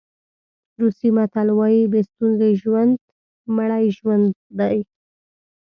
روسي متل وایي بې ستونزې ژوند مړی ژوند دی.